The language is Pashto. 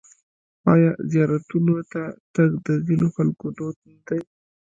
آیا زیارتونو ته تګ د ځینو خلکو دود نه دی؟